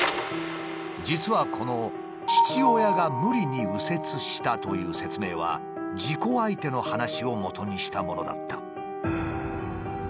実はこの「父親が無理に右折した」という説明は事故相手の話をもとにしたものだった。